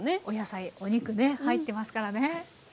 お野菜お肉ね入ってますからね。